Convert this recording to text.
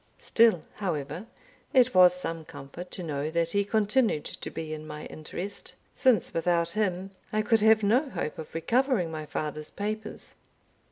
Still, however, it was some comfort to know that he continued to be in my interest, since without him I could have no hope of recovering my father's papers.